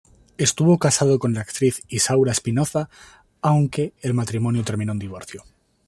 Estuvo casado con la actriz Isaura Espinoza, aunque el matrimonio terminó en divorcio.